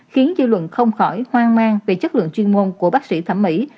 khiến dư luận không khỏi hoang mang về chất lượng chuyên môn của bác sĩ thẩm mỹ